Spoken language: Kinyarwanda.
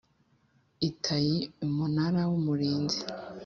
Itayi Umunara w Umurinzi